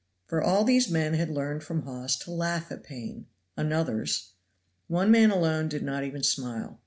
For all these men had learned from Hawes to laugh at pain (another's). One man alone did not even smile.